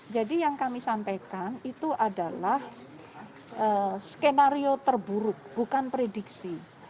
jadi yang kami sampaikan itu adalah skenario terburuk bukan prediksi